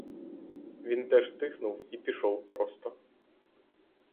Він теж хитнув і пішов просто.